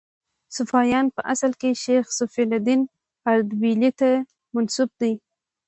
صفویان په اصل کې شیخ صفي الدین اردبیلي ته منسوب دي.